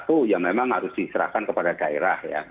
satu ya memang harus diserahkan kepada daerah ya